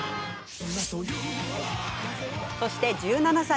そして、１７歳。